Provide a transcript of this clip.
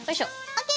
ＯＫ。